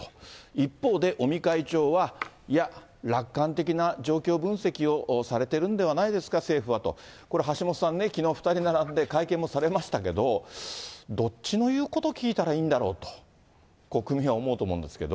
一方で、尾身会長は、いや、楽観的な状況分析をされてるんではないですか、政府はと。これ、橋下さんね、きのう、２人並んで会見もされましたけど、どっちの言うこと聞いたらいいんだろうと、国民は思うと思うんですけど。